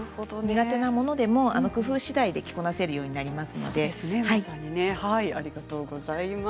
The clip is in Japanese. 苦手なものでも工夫しだいで着こなせるようになります。